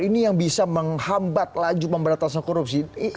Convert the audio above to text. ini yang bisa menghambat laju pemberantasan korupsi